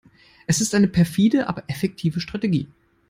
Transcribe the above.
Es ist eine perfide, aber effektive Strategie.